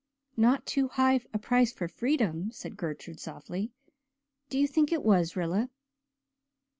"Not too high a price for freedom," said Gertrude softly. "Do you think it was, Rilla?"